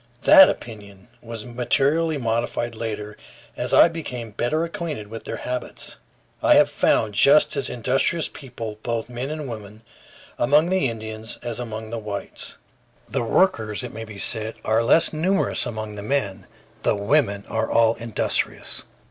That opinion was materially modified later, as I became better acquainted with their habits. I have found just as industrious people, both men and women, among the Indians as among the whites. The workers, it may be said, are less numerous among the men; the women are all industrious.